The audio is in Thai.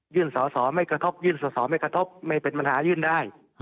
สอสอไม่กระทบยื่นสอสอไม่กระทบไม่เป็นปัญหายื่นได้